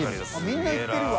△みんないってるわ。